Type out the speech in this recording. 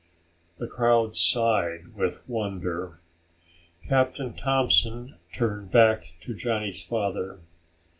The crowd sighed with wonder. Captain Thompson turned back to Johnny's father.